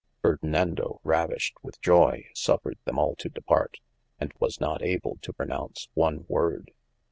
Fardinando ravished with joy, suffered them all to departe, and was not able to pronounce one word.